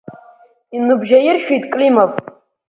Иныбжьаиршәит Климов.